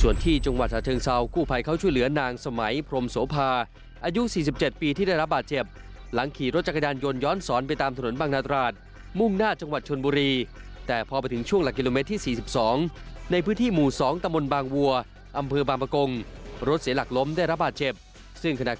ส่วนที่จังหวัดฉะเชิงเซากู้ภัยเขาช่วยเหลือนางสมัยพรมโสภาอายุ๔๗ปีที่ได้รับบาดเจ็บหลังขี่รถจักรยานยนต์ย้อนสอนไปตามถนนบางนาตราดมุ่งหน้าจังหวัดชนบุรีแต่พอไปถึงช่วงหลักกิโลเมตรที่๔๒ในพื้นที่หมู่๒ตะมนต์บางวัวอำเภอบางประกงรถเสียหลักล้มได้รับบาดเจ็บซึ่งขณะก